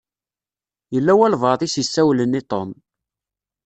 Yella walebɛaḍ i s-isawlen i Tom.